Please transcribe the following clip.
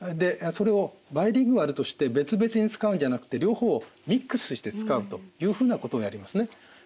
それをバイリンガルとして別々に使うんじゃなくて両方をミックスして使うというふうなことをやりますね。